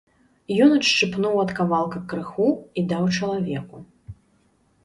Ён адшчыпнуў ад кавалка крыху і даў чалавеку.